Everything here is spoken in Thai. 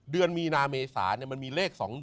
เดือนมีนาเมษามันมีเลข๒๑